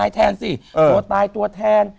ตัวตายตัวแทน